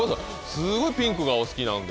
すごいピンクがお好きなんですね。